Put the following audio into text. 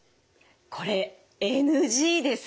これＮＧです。